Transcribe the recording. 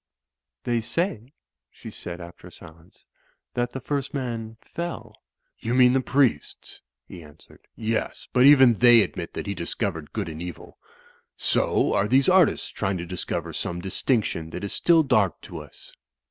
"They say," she said, after a silence, "that the first man fell." "You mean the priests?" he answered. "Yes, but even they admit that he discovered good and evik So are these artists trying to discover some distinction that is still dark to us."